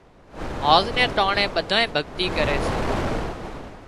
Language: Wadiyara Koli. هانز نين ٽانڻي ٻڌانئين ڀڳتي ڪري سي